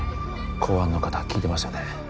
公安の方聞いてますよね